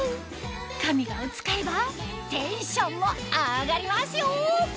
カミガを使えばテンションも上がりますよ！